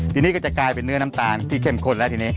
ทีนี้ก็จะกลายเป็นเนื้อน้ำตาลที่เข้มข้นแล้วทีนี้